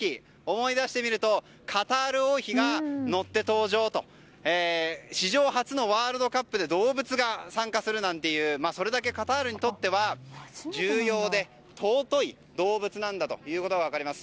思い出してみるとカタール王妃が乗って登場という史上初のワールドカップで動物が参加するなんていうそれだけカタールにとっては重要で、尊い動物ということが分かります。